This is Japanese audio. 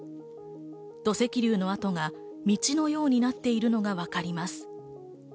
土石流の跡が道のようになっているのがわかります。